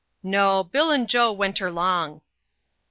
"No; Bill'n Joe wenterlong."